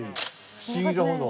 不思議なほど。